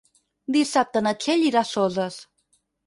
Dissabte na Txell irà a Soses.